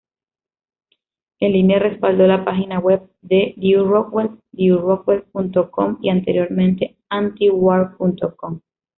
En línea, respaldó la página web de Lew Rockwell, LewRockwell.com y anteriormente Antiwar.com.